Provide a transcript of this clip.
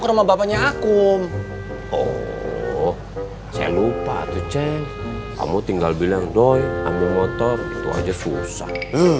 ke rumah bapaknya aku oh saya lupa tuh ceng kamu tinggal bilang doy ambil motor itu aja susah